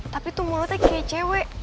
tapi tuh mulutnya kayak cewek cewek